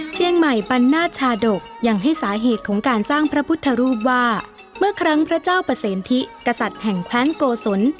เชียงใหม่ปันนาชาดกยังให้สาเหตุของการสร้างพระพุทธรูปว่าเมื่อครั้งพระเจ้าประเสนทิกษัตริย์แห่งแคว้นโกศล